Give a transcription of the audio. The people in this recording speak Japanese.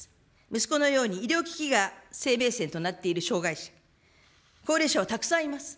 息子のように、医療機器が生命線となっている障害者、高齢者はたくさんいます。